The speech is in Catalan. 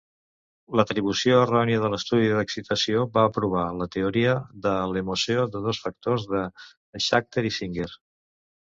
L'atribució errònia de l'estudi d"excitació va provar la teoria de l"emoció de dos factors de Schachter i Singer.